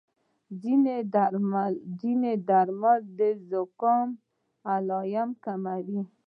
ځینې درمل د زکام علامې کموي.